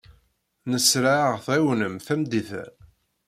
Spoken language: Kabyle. Nesra ad ɣ-tɛiwnem tameddit-a.